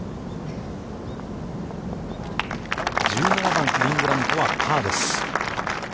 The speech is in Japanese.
１７番、リン・グラントはパーです。